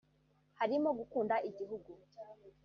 harimo gukunda igihugu